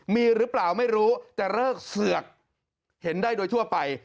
มีหรือเปล่าไม่รู้แต่เลิกเสือกเห็นได้โดยทั่วไป